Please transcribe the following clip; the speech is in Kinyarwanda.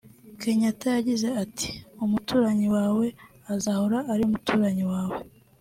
Kenyatta yagize ati “Umuturanyi wawe azahora ari umuturanyi wawe